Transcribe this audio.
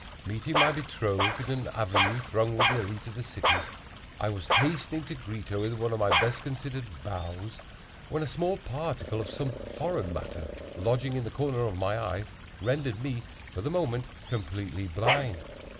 Meeting my betrothed in an avenue thronged with the élite of the city, I was hastening to greet her with one of my best considered bows, when a small particle of some foreign matter, lodging in the corner of my eye, rendered me, for the moment, completely blind.